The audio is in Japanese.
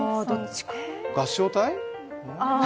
合唱隊？